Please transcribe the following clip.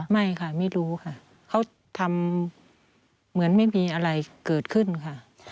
ไม่ค่ะไม่รู้ค่ะเขาทำเหมือนไม่มีอะไรเกิดขึ้นค่ะ